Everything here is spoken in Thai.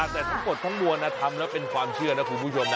แต่ทั้งหมดทั้งมวลทำแล้วเป็นความเชื่อนะคุณผู้ชมนะ